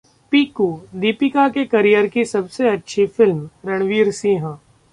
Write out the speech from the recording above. ‘पीकू’ दीपिका के करियर की सबसे अच्छी फिल्म: रणवीर सिंह